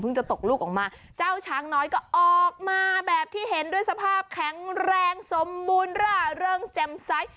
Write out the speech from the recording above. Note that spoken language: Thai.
จะตกลูกออกมาเจ้าช้างน้อยก็ออกมาแบบที่เห็นด้วยสภาพแข็งแรงสมบูรณ์ร่าเริงแจ่มใส